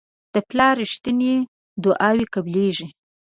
د پلار رښتیني دعاوې قبلیږي.